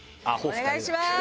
お願いします。